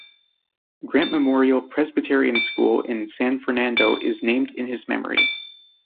Grant Memorial Presbyterian School in San Fernando is named in his memory.